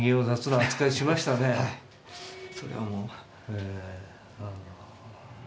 はい、それはもう。